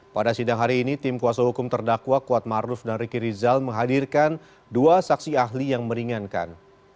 pada sidang hari ini tim kuasa hukum terdakwa kuatmaruf dan riki rizal menghadirkan dua saksi ahli yang meringankan